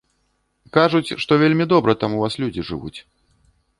Кажуць, што вельмі добра там у вас людзі жывуць.